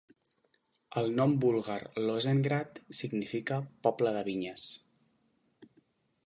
El nom búlgar "Lozengrad" significa "poble de vinyes".